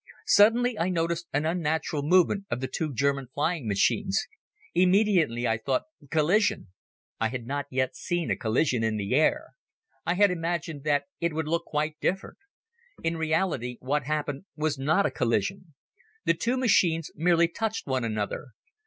Suddenly I noticed an unnatural movement of the two German flying machines. Immediately I thought: Collision. I had not yet seen a collision in the air. I had imagined that it would look quite different. In reality, what happened was not a collision. The two machines merely touched one another.